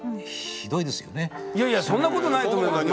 いやいやそんなことないと思います。